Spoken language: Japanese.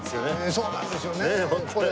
そうなんですよねこれ。